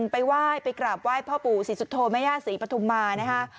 ไปว่ายไปกราบว่ายพ่อปู่ศิสุโธมะยาศรีปทุมมานะฮะ